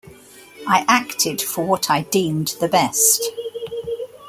I acted for what I deemed the best.